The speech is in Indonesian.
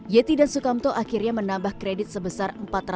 yeti dan sukamto akhirnya menambah kredit sebesar